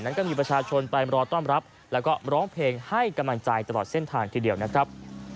ก็มีประชาชนไปรอต้อนรับแล้วก็ร้องเพลงให้กำลังใจตลอดเส้นทางทีเดียวนะครับ